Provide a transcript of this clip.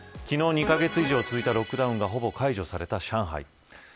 昨日２カ月以上続いたロックダウンがほぼ解除された上海。